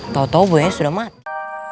tau tau buaya sudah mati